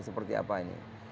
seperti apa ini